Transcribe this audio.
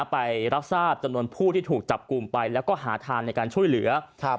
ไปรักษาจนวนผู้ที่ถูกจับกลุ่มไปและหาทานในการช่วยเหลือ